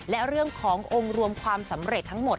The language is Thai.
และเรื่องขององค์รวมความสำเร็จทั้งหมด